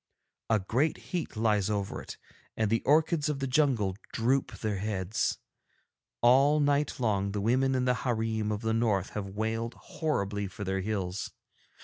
A great heat lies over it, and the orchids of the jungle droop their heads. All night long the women in the hareem of the North have wailed horribly for their hills.